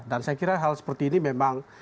dan saya kira hal seperti ini memang